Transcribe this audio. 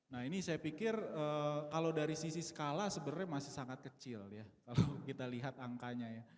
nah ini saya pikir kalau dari sisi skala sebenarnya masih sangat kecil ya kalau kita lihat angkanya ya